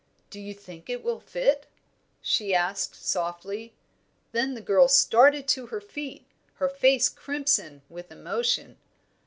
"Do you think it will fit?" she asked, softly. Then the girl started to her feet, her face crimson with emotion.